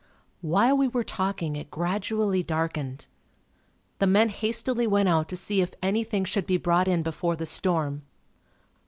While we were talking it gradually darkened. The men hastily went out to see if anything should be brought in before the storm.